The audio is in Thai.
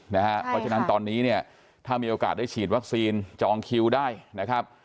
เพราะฉะนั้นตอนนี้เนี่ยถ้ามีโอกาสได้ฉีดวัคซีนจองคิวได้นะครับ